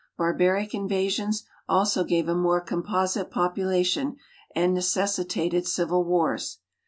Barbaric invasions also gave a more composite population, and necessitated civil wars.